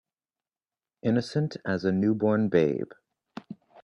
Innocent as a new born babe.